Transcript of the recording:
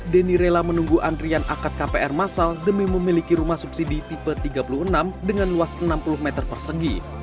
denny rela menunggu antrian akad kpr masal demi memiliki rumah subsidi tipe tiga puluh enam dengan luas enam puluh meter persegi